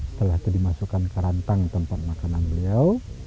setelah itu dimasukkan ke rantang tempat makanan beliau